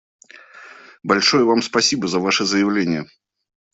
Большое Вам спасибо за Ваше заявление.